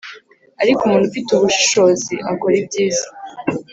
ariko umuntu ufite ubushishozi akora ibyiza